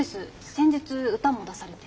先日歌も出されて。